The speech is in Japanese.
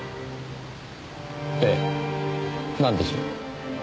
ええなんでしょう？